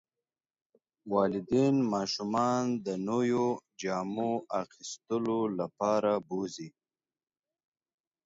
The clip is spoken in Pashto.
والدین ماشومان د نویو جامو اخیستلو لپاره بوځي.